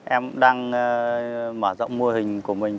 em đang mở rộng mô hình của mình